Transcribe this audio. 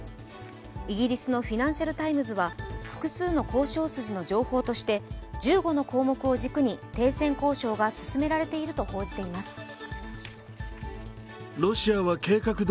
イギリスの「フィナンシャル・タイムズ」は複数の交渉筋の情報として１５の項目を軸に停戦交渉が進められていると報じています。